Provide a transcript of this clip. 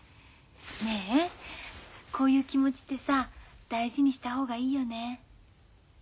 ねえこういう気持ちってさ大事にした方がいいよね？